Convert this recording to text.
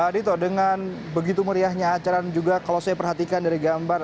dito dengan begitu meriahnya acara juga kalau saya perhatikan dari gambar